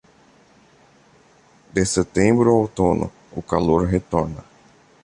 De setembro a outono, o calor retorna.